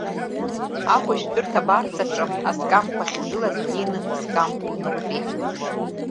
Ахәышәтәырҭа абарҵаҿы, аскамқәа ахьгылаз, днеины скамк днықәтәеит.